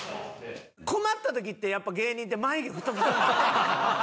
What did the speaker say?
「困った時ってやっぱ芸人って眉毛太くする」